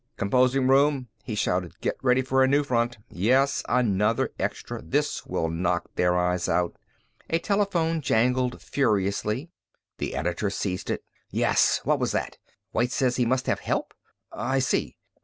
"Composing room," he shouted, "get ready for a new front! Yes, another extra. This will knock their eyes out!" A telephone jangled furiously. The editor seized it. "Yes. What was that?... White says he must have help. I see.